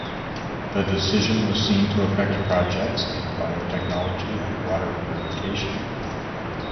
The decision was seen to affect projects in biotechnology and water purification.